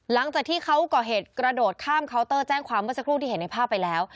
หลังจากที่เขาก่อเหตุกระโดดข้ามเคาน์เตอร์แจ้งความเมื่อสักครู่ที่เห็นในภาพไปแล้ว